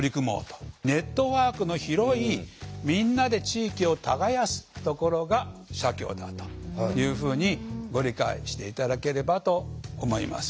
ネットワークの広いみんなで地域を耕すところが社協だというふうにご理解して頂ければと思います。